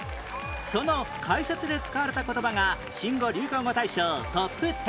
その解説で使われた言葉が新語・流行語大賞トップ１０に